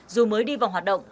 dù mới đi vào hoạt động